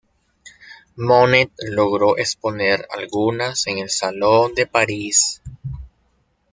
Monet logró exponer algunas en el Salón de París.